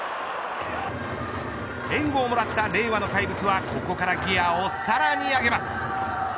援護をもらった令和の怪物はここからギアをさらに上げます。